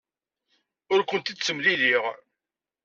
Ur ken-id-ttemliliɣ.